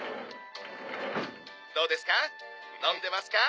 「どうですか？